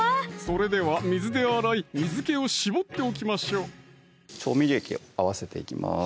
それでは水で洗い水気を絞っておきましょう調味液を合わせていきます